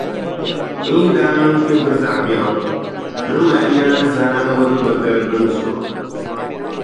N yi daa niŋ kpibiga zaɣ’ biɛɣu, n ni mali nyaanzaaniba dunɔdali gbini zuɣu.